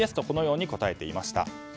このように答えていました。